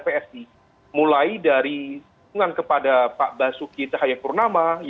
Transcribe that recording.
pada psi mulai dari pengang kepada pak basuki tahayakurnama